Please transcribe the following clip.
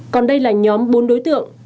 còn đây là nhóm bốn đối tượng